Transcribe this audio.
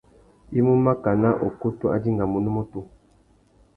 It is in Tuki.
I mú makana ukutu a dingamú unúmútú.